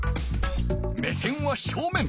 目線は正面。